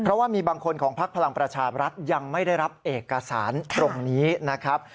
เพราะว่ามีบางคนของพักพลังประชาบรัฐยังไม่ได้รับเอกสารตรงนี้นะครับ